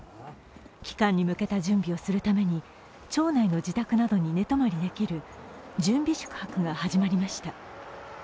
帰還に向けた準備をするために、町内の自宅などに寝泊まりできる準備宿泊が始まりました。